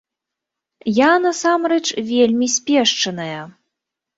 Я, насамрэч, вельмі спешчаная.